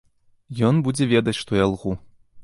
Ён будзе ведаць, што я лгу.